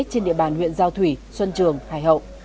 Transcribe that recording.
trên địa bàn huyện giao thủy xuân trường hải hậu